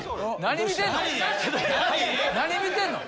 何見てんの？